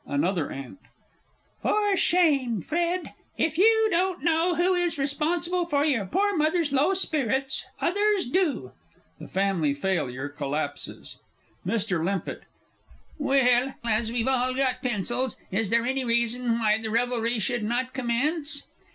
ANOTHER AUNT. For shame, Fred! If you don't know who is responsible for your poor mother's low spirits, others do! [The Family Failure collapses MR. LIMPETT. Well, as we've all got pencils, is there any reason why the revelry should not commence?